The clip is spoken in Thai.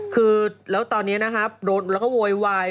คือแล้วตอนนี้นะครับโดนแล้วก็โวยวาย